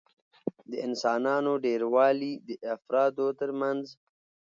د انسانانو ډېروالي د افرادو ترمنځ